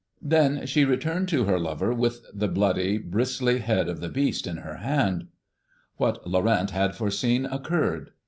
Then she returned to her lover with the bloody, bristly head of the beast in her hand. "What Laurent had foreseen occurred.